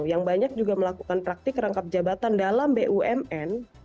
yang banyak juga melakukan praktik rangkap jabatan dalam bumn